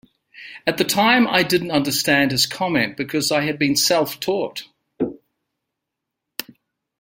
At the time I didn't understand his comment because I had been self-taught.